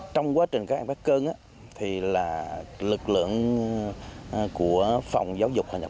trong quá trình các em cắt cơn lực lượng của phòng giáo dục